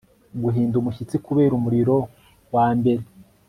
Guhinda umushyitsi kubera umuriro we wa mbere